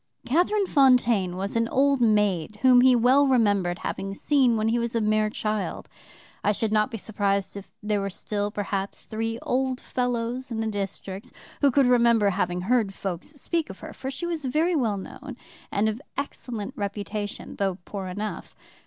"Catherine Fontaine was an old maid whom he well remembered having seen when he was a mere child. I should not be surprised if there were still, perhaps, three old fellows in the district who could remember having heard folks speak of her, for she was very well known and of excellent reputation, though poor enough.